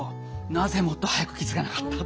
なぜもっと早く気付かなかった。